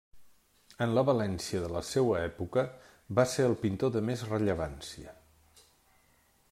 En la València de la seua època va ser el pintor de més rellevància.